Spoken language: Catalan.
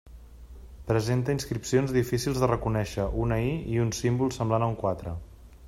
Presenta inscripcions difícils de reconèixer, una I i un símbol semblant a un quatre.